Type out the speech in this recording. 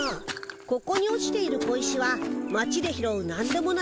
ここに落ちている小石は町で拾うなんでもない